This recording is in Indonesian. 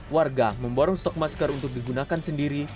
warga memborong stok masker untuk digunakan sendiri